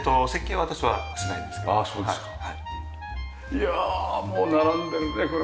いやもう並んでるねこれ。